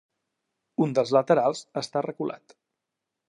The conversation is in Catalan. Un dels laterals està reculat.